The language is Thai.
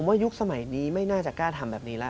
ยุคสมัยนี้ไม่น่าจะกล้าทำแบบนี้แล้ว